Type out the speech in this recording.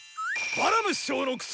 バラム師匠の薬！